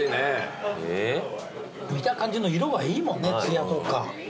見た感じの色がいいもんねつやとか。